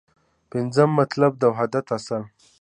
پنځم مطلب : د وحدت اصل